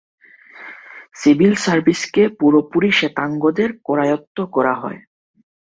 Civil সার্ভিসকে পুরোপুরি শ্বেতাঙ্গদের করায়ত্ত করা হয়।